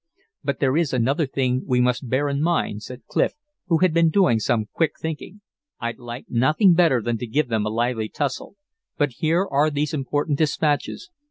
"But there is another thing we must bear in mind," said Clif, who had been doing some quick thinking. "I'd like nothing better than to give them a lively tussle. But here are these important dispatches.